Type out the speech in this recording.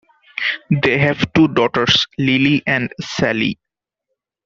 They have two daughters Lily and Sally.